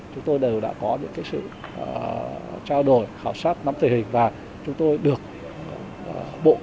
chúng ta đã có xong điện thoại xong ba g và thậm chí khoảng một năm gần đây chúng ta có bốn g rồi